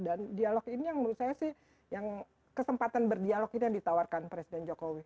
dan dialog ini menurut saya sih kesempatan berdialog ini yang ditawarkan presiden jokowi